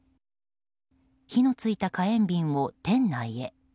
火の付いた火炎瓶を店内へ。